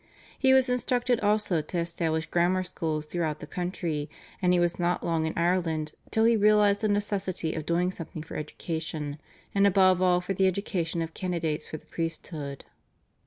He was instructed also to establish grammar schools throughout the country, and he was not long in Ireland till he realised the necessity of doing something for education, and above all for the education of candidates for the priesthood.